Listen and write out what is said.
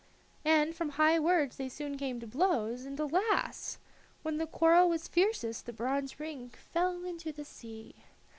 And from high words they soon came to blows, and, alas! when the quarrel was fiercest the bronze ring fell into the sea.